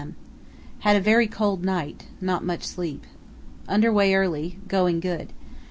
m. Had a very cold night, not much sleep. Under way early. Going good.